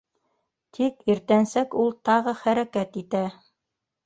Тик иртәнсәк ул тағы хәрәкәт итә.